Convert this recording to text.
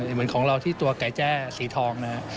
เหมือนของเราที่ตัวไก่แจ้สีทองนะฮะ